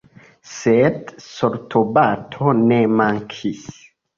Sed sortobato ne mankis.